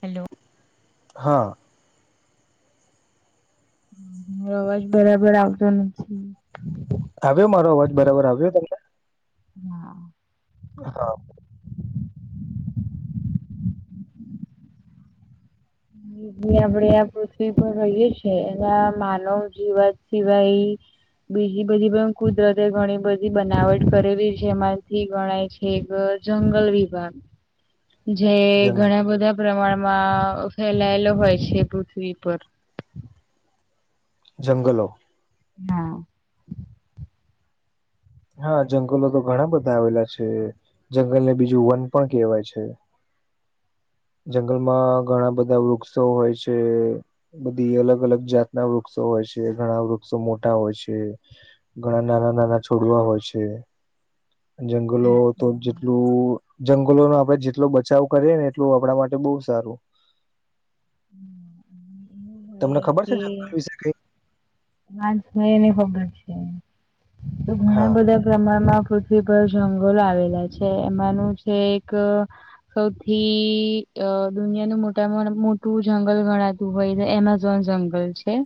Hello હા ર અવાજ બરાબર આવતો નથી. આવ્યો મારો અવાજ બરાબર આવ્યો તમને, હા હા [inaudible] [inaudible] [inaudible] [unintelligible] આ પૃથ્વી પર રહીએ છીએ એના માનવ જીવન સિવાય બીજી બધી પણ કુદરતે ઘણી બધી બનાવટ કરેલી છે એમાંથી ગણાય કે જ જંગલ વિભાગ [inaudible] જે જંગ ઘણા બધા પ્રમાણમાં ફેલાયેલો હોય છે પૃથ્વી પર જંગલો હા હા જંગલો તો ઘણા બધા આવેલા છે. જંગલ ને બીજું વન પણ કહેવાય છે. જંગલમાં ઘણા બધા વૃક્ષો હોય છે. બધી અલગ અલગ જાત ના વૃક્ષો હોય છે ઘણા વૃક્ષો મોટા હોય છે. ઘણા નાના નાના છોડવા હોય છે જંગલો તો જેટલું જંગલો ન આપડે જેટલો બચાવ કરીએ ને એટલું આપણા માટે બહુ સારું હ હઠઠ તમને ખબર છે જંગલ વિશે કઈ [unintelligible] એની ખબર છે તો ઘણા હા બધા પ્રમાણમાં [unintelligible] જંગલો આવેલા છે એમાંનું છે એક સૌથી અ દુનિયાનું મોટામાં મોટું જંગલ ગણાત-' દુબઈ એમેઝોન જંગલ છે.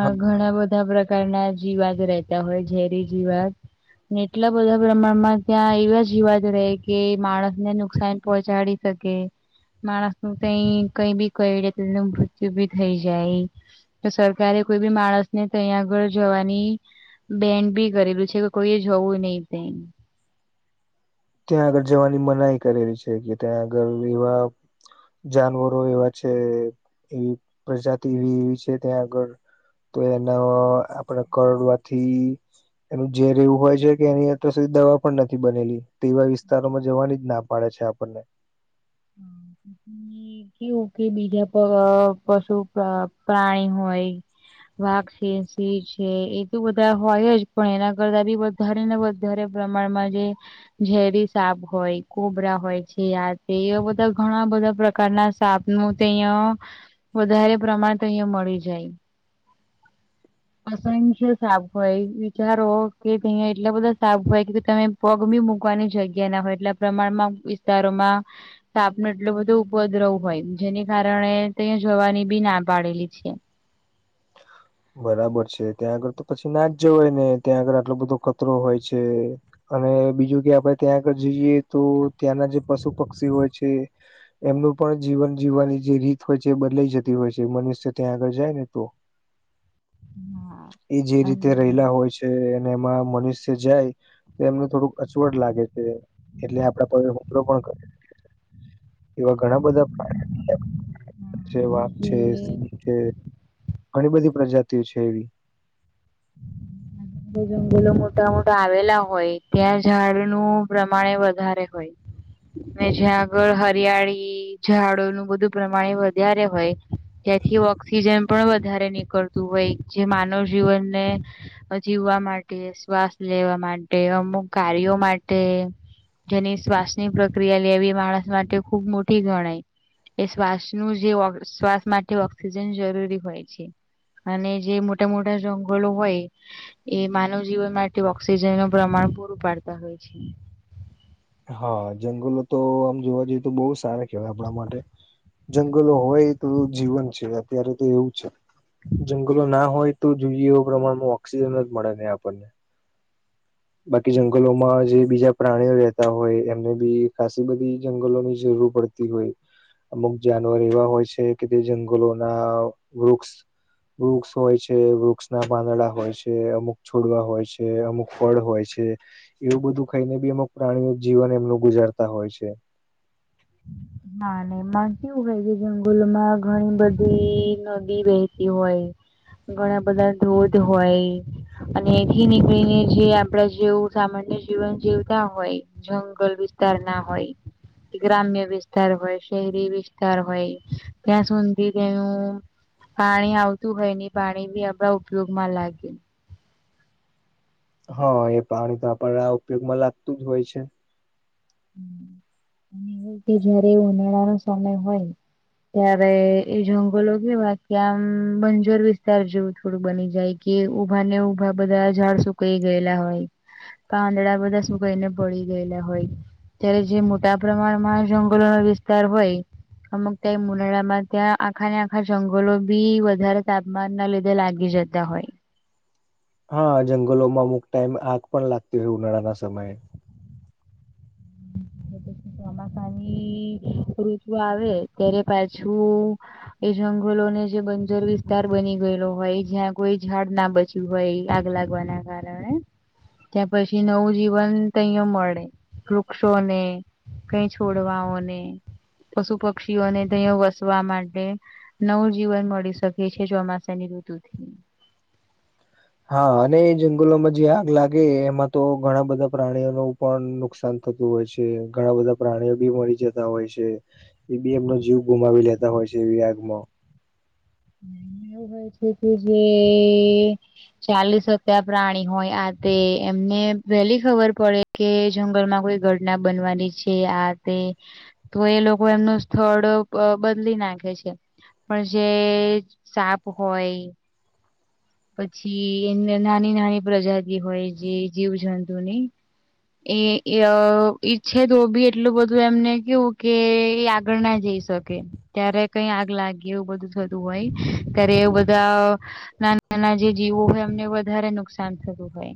હા ઘણા બધા પ્રકારના જીવાત રહેતા હોય ઝેરી જીવાત. એટલા બધા પ્રમાણમાં ત્યાં એવા જીવાદ રહે કે માણસ ને નુકસાન પહોંચાડી કે માણસ નું ક કઈ બી કઈડે તો એનું મૃત્યુ બી થઈ જાય. તો સરકારે કોઈ બી માણસ ને તહીંયા આગળ જવાની બેન્ડ બી કરેલું છે કે કોઈએ જવું નહી તઇ ત્યાં આગળ જવાની મનાઈ કરેલી છે કે ત્યાં આગળ એવા જાનવરો એવા છે એવી પ્રજાતિ એવી એવી છે ત્યાં આગળ-' તો એના આપડ કરડવાથી એનું ઝેર એવું હોય છે કે એની અતાર સુધી દવા પણ નથી બનેલી. તે એવા વિસ્તારોમાં જવાની જ ના પાડે છે આપણને [unintelligible] ઈ કયો કે બીજા પશુ પ્રાણી હોય વાઘ છે સિં છે એ તો બધા હોયજ પણ એના કરતા બી બધ વધારીને વધારે પ્રમાણમાં જે ઝેરી સાપ હોય કોબરા હોય છે. એ બધા ઘણા બધા પ્રકારના સાપ નું તે અહં- વધારે પ્રમાણ તો અહીયા મળી જા. [inaudible] અસંખ્ય સાપ હોય વિચારો કે અહીંયા એટલા બધા સાપ હોય કે તમે પગભી મૂકવાની જગ્યા ના હોય એટલા પ્રમાણમાં વિસ્તારોમાં [inaudible] સાાપ ન એટલો બધો ઉપદ્રવ હોય જેને કારણે તહીંયા જોવાની બી ના પાડેલી છે. બરાબર છે ત્યાં આગળ તો પછી ના જ જવાય ને ત્યાં આગળર આટલો બધો ખતરો હોય છે. અને બીજું કે આપણે ત્યાં આગળ જઈએ તો ત્યાંના જે પશુ પક્ષી હોય છે. એમનું પણ જીવન જીવવાની જે રીત હોય છે એ બદલાઈ જતી હોય છે મનુષ્ય ત્યાં આગળ જાય ને તો હા એ જે રીતે અને રહેલા હોય છે અને એમાં મનુષ્ય જાય તો એમને થોડુંક અચવટ લાગે છે એટલે આપડા પ હુમલો પણ કરે છે. એવા ઘણા બધા. વાત અને જે છે સ છે ઘણી બધી પ્રજાતિઓ છે એવીઊગ જંગલો મોટા મોટા આવેલા હોય ત્યાં ઝાડનું પ્રમાણે વધારે હોય. ને જ્યાં આગળ હરિયાળી ઝાડોનુંું બધું પ્રમાણે વધારે હોય. ત્યાંથી ઓક્સિજન પણ વધારે નીકળતું હોય જે માનવ જીવનને. જીવવા માટે શ્વાસ લેવા માટે અમુક કાર્યો માટે. જેની શ્વાસની પ્રક્રિયા લેવી માણસ માટે ખુબ મોટી ગણાય. એ શ્વાસનું જે શ્વાસ માટે ઓક્સિજન જરૂરી હોય છે. અને જે મોટા મોટા જંગલો હોય. એ માનવ જીવન માટે ઓક્સિજન નું પ્રમાણ પૂરું પાડતા હોય છે. હા જંગલો તો આમ જોવા જઈએ તો બહુ સારા કેહેવાય આપણા માટે. જંગલો હોય તો જીવન છે અત્યારેતો એવું છે. જંગલો ના હોય તો જોઈએ એવા પ્રમાણમાં ઓક્સિજન જ મળે ને આપણને. બાકી જંગલોમાં જે બીજા પ્રાણીઓ રહેતા હોય એમને બી ખાાસ બધી જંગલોની જરૂર પડતી. હોય અમુક જાનવર એવા હોય છે કે તે જંગલોના વૃક્ષ. વૃક્ષ હોય છે વૃક્ષના પાંદડા હોય છે અમુક છોડવા હોય છે અમુક. ફળ હોય છે એવું બધું ખાઈને બી એમ પ્રાણીઓ જીવન એમનું ગુજારતા હોય છે. [inaudible] ના ના માન કે એવું હોય કે જંગલમાં ઘણી બધી નદી વહેતી હોય. ઘણા બધા ધોધ હોય. અને એથી નીકળીને જે આપડા જેવું સામાન્ય જીવન જીવતા હોય. જંગલ વિસ્તાર ના હોય. ગ્રામ્ય વિસ્તાર હોય શહેરી વિસ્તાર હોય ત્યાં સુધી તેનું. પાણી આવતું હોય નહ પાણી બી અણા ઉપયોગ માં લાગે. હા એ પાણી તો આપણ આ ઉપયોગમાં લાગતું જ હોય છે. [inaudible] અને જયારે ઉનાળાનો સમય હોય. ત્યારે એ જંગલો કેવા કે આમ બંજર વિસ્તાર જેવું થોડું બની જાય. કે ઉભા ને ઉભા બધા ઝાડ સુકાઈ ગયેલા હોય. પાંદડા બધા શું કઈને ભળી ગયેલા હોય. અ્યારે જે મોટા પ્રમાણમાં જંગલો ન વિસ્તાર હોય. અમુક ત્યાં મુનાડામાં ત્યાં આખાને આખા જંગલો બી વધારે તાપમાન ના લીધે લાગે. લગી જતા હોય. હા જંગલોમાં અમુક ટાઈમ આગ પણ લાગતી હોય ઉનાળાના સમયે. પ ચોમાસાની ઋતુ આવે ત્યારે પાછું. એ જંગલોને જે બજર વિસ્તાર બની ગયેલો હોય જ્યાં કોઈ ઝાડ ના બચે. શું હોય એ આગ લાગવાના કારણે. ત્યાં પછી નવું જીવન ત અહીયા મળે વૃક્ષોને કઈ છોડવાઓને પશુ પક્ષીઓને તયા વસવા માટે. નવું જીવન મળી શકે છે ચોમાસાની ઋતુથી. હા અને એ જંગલોમાં જે આગ લાગે એમાં તો ઘણા બધા પ્રાણીઓ ન પણ નુકસાન. થતું હોય છે ઘણા બધા પ્રાણીઓ બી મળી જતા હોય છે. એ બી એમનો જીવ ગુમાવી લેતા હોય છે એવી આગમાં. [inaudible] ય છે તું જે. ચાલીસકા પ્રાણી હોય આ તે એમને વેલી ખબર પડે. કે જંગલમાં કોઈ ઘણના બનવાની છે આ તે. તો એ લોકો એમનું સ્થળ બદલી નાખે છે પણ જે. સાપ હોય પછી એ નાની નાની પ્રજાતિ હોય જે જીવ જંતુ ની. એ ઈઅ ઈચ્છે તો બી એટલું બધું એમને કેવું કે એ આગળ ના જઈશ તોકે ત્યારે કઈ આગ લાગી એવું બધું થતુ હોય ત્યારે એવ બધા નાન નાના જે જીવો હોય એમને વધારે નુકસાન થતું હોય.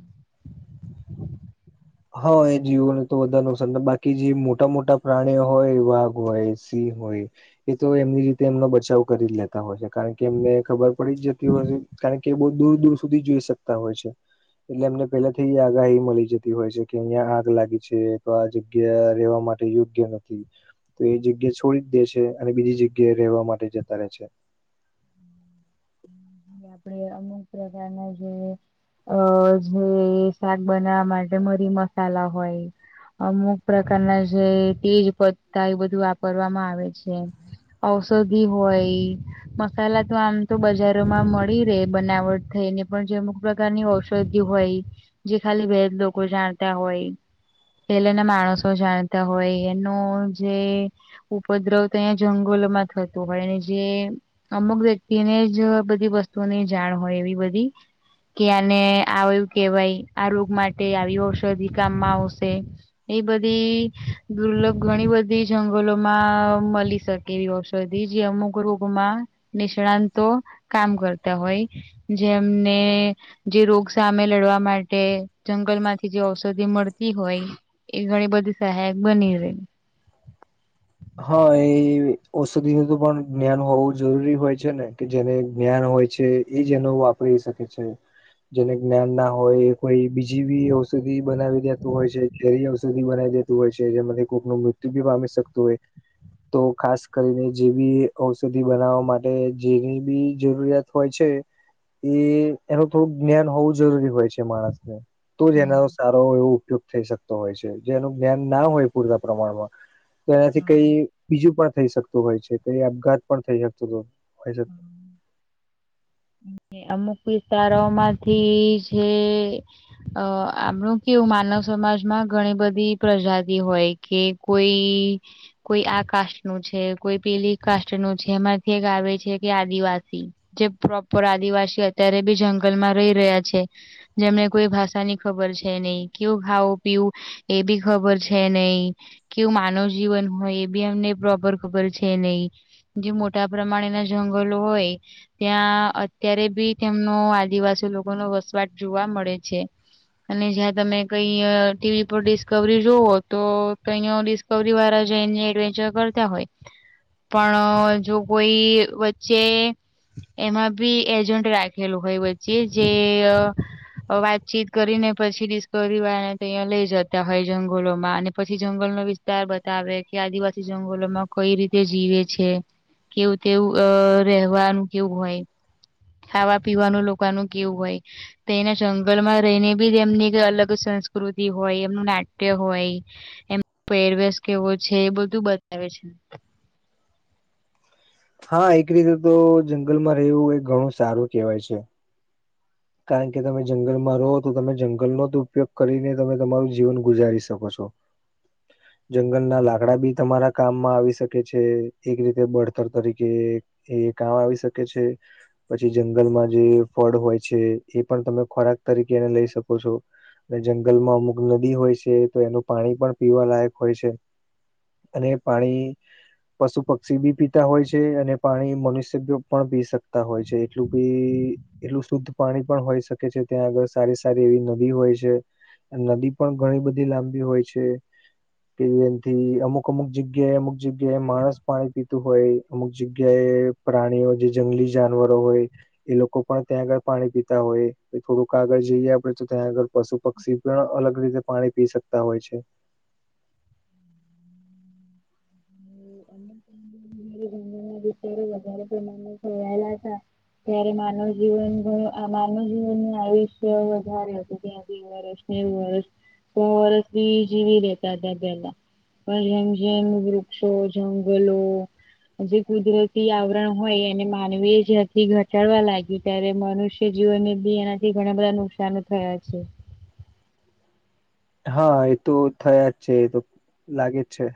હ એ જીવોને તો વધારે નુકસાન બાકી જે મોટા મોટા પ્રાણીઓ હોય વાઘ હોય, સિંહ હોય એ તો એમની રીતે એમનો બચાવ કરી જ લેતા હોય છે કારણ કે એમને ખબર પડી જ જતી હોય છે કારણ કે બહુ દૂર દૂર સુધી જોઈ શકતા હોય છે એટલે એમને પેલાથી આગાહી મળી જત તી હોય છે કે અહિયાં આગ લાગી છે તો આ જગ્યા રહેેવા માટે યોગ્ય નથી. તો એ જગ્યા છોડી જ દે છે અને બીજી જગ્યા રહેવા માટે જતા રહે છે. જે આપડે અમુક પ્રકારના જીવો અ જે શાક બનાવા માટે મરી મસાલા હોય અમુક પ્રકારના જે તેજ પત્તા એ બધું વાપરવામાં આવ હોય છે ઔષધિ હોય મસાલા તો આમ તો બજાર તેમાં મળી રે બનાવટ થઈને પણ જે અમુક પ્રકારની ઔષધિ હોય જે ખાલી વેદ લોકો જાણતા હોય. પેલેના માણસો જાણતા હોય એનું જે ઉપદ્રવ તો અહીંયા જંગલોમાં થતુ હોય અને જે અમુક વ્યક્તિને જ બધી વસ્તુઓની જાણ હોય એવી બધી કે આને આવ એવું કેવાય આ રોગ માટે આવી ઔષધિ કામમાં આવશે એ બધી દુર્લભ ઘણી બધી જંગલો માં મળી શક એવી ઔષધિ જે અમુક રોગમાં નિષ્ણાતો કામ કરતા હોય જેમને જે રોગ સામે લડવા માટે જંગલ માંથી જે ઔષધિ મળતી હોય એ ઘણી બધી સહાયક બની રહે. હા એ ઔષધિ ન તો પણ જ્ઞાન હોવું જરૂરી હોય છે ને કે જેને જ્ઞાન હોય છે એજ એનો વાપરી શકે છે જેને જ્ઞાન ના હોય કોઈ બી જીવી ઔષધિ બનાવી દેતું હોય છે ધૈર્યસ ઔષધી બનાવી દેતું હોય છે જેમાંથી કોઈકનું મૃત્યુ બી પામી શકતું હોય. તો ખાસ કરીને જે બી ઔષધિ બનાવવા માટે જેની બી જરૂરિયાત હોય છે એ એનું થોડુંક જ્ઞાન હોવું જરૂરી હોય છે માણસને તો જ એનો સારો એવો ઉપયોગ થઈ શકતો હોય છે જે એનું જ્ઞાન ના હોય પૂરતા પ્રમાણમાં તો એનાથી કઈ બીજું પણ થઈ શકતું હોય છે કઈ આપઘાત પણ થઈ શકતું હોય હજુ અમુક વિસ્તારો માંથી જે અ આમણું કેવું માનવ સમાજમાં ઘણી બધી પ્રજાતિ હોય કે કોઈ કોઈ આ કાસ્ટ નું છે કોઈ પેલી કાસ્ટ નું છે એમાંથી એક આવે છે જે કે આદિવાસી જે પ્રોપર આદિવાસી અત્યારે બી જંગલમાં રહી રહ્યા છે જેમને કોઈ ભાષા ની ખબર છે નહી કેવું ખાવુ પીવું એ બી ખબર છે નહી કેવું માનવ જીવન હોય એ બી એમને પ્રોપર ખબર છે નહી જે મોટા પ્રમાણેના જંગલો હોય ત્યાં અત્યારે બી તેમનો આદિવાસી લોકો નો વસવાટ જોવા મળે છે. અને જ્યાં તમે કઈ અ ટીવી પર ડિસ્કવરી જોવો તો તહીય ડિસ્ક કવરી વાળા જઈને એડવેન્ચર કરતા હોય પણ જો કોઈ વચ્ચે એમાં બી એજન્ટ રાખેલું હોય વચ્ચે જેઅ અ વાતચીત કરીને પછી ડિસ્કવરી વાળા ન તો અહીંયા લઈ જતા હોય જંગલોમાં અને પછી જંગલનો વિસ્ત તાર બતાવે કે આદિવાસી જંગલોમાં કઈ રીતે જીવે છે. કેવું તેવું- અ રહેવાનું કેવું હોય- ખાવા પીવાનું લોકાનું કેવું હોય તો એના જંગલમાં રહીને બી એમની અલગ સંસ્કૃતિ હોય એમનું નાટ્ય હોય એમનો પેરવેશ કેવો છે એ બધું બતાવે છે. હા એક રીતે તો જંગલમાં રહેવું એ ઘણું સારું કેહેવાય છે. કારણ કે તમે જંગલમાં રહો તો તમે જંગલનો જ ઉપયોગ કરીને તમે તમારું જીવન ગુજારી શકો છો. [inaudible] જંગલના લાકડા બી તમારા કામમાં આવી શકે છે એક રીતે બળતર તરીકે. એ કામ આવી શકે છે પછી જંગલમાં જે ફળ હોય. છે એ પણ તમે ખોરાક તરીકે એને લઈ શકો છો. જંગલમાં અમુક નદી હોય છે તો એનું પાણી પણ પીવા લાયક હોય છે. અને એ પાણી. પશુ પક્ષી બી પીતા હોય છે અને પાણી મનુષ્ય પણ પી શકતા હોય છે એટલું બી- એટલું શુદ્ધ પાણી પણ હોય શકે છે ત્યાં આગળ સારી સારી એવી નદી હોય છે. નદી પણ ઘણી બધી લાંબી હોય છે. કે એમથી અમુક અમુક જગ્યાએ અમુક જગ્યાએ માણસ પાણી પીતું હોય અમુક જગ્યાએ- પ્રાણીઓ જે જંગલી જાનવરો હોય એ લોકો પણ ત્યાં આગળ- પાણી પીતા હોય થોડુંક આાગળ જઈએ આપડે તો ત્યાં આગળ પશુ પક્ષી પણ અલગ રીતે પાણી પી શક તા હોય છે. જંગલમાં જઈ ત્યારે જ આ- જ્યારે મમ્મી આવેલા હતા- ત્યારે માનવ જીવન ઘણું માનવ જીવન આયુષ્ય વધારે હતું ત્યાંથી- વર્ષ નેવુ વર્ષ સો વરષ બી જીવી રેતા ત્યા પહેલા- પણ જેમ જેમ વૃક્ષો જંગલો જે કુદરતી આવ હોય એને માનવી જથી ઘટાડવા લાગી ત્યારે મનુષ્ય જીવનને બી એનાથી ઘણા બધા નુક ચાલુ થયા છે. હા એ તો થયા જ છે એ તો લાગે જ છે.